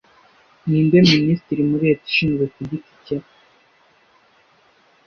Ninde minisitiri muri Leta ishinzwe kugiti cye